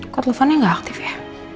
kok teleponnya nggak aktif ya